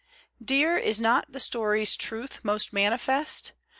Dear, is not the story's truth Most manifest